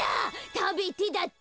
「食べて」だって。